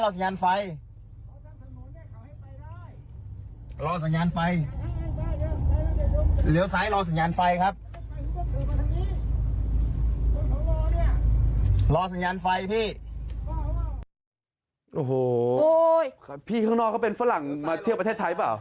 เขาเป็นฝรั่งเครื่องวิบไฟไหมครับ